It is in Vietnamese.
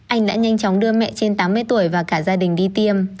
anh đã nhanh chóng đưa mẹ trên tám mươi tuổi và cả gia đình đi tiêm